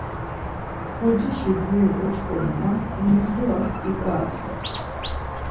Xocişi guri oç̌ǩomuna, hemindos iǩaimasen.